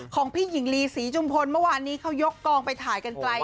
ของพี่หญิงลีศรีจุมพลเมื่อวานนี้เขายกกองไปถ่ายกันไกล